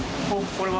これは？